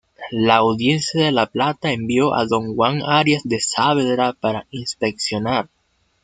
La Audiencia de La Plata envió a don Juan Arias de Saavedra para inspeccionar.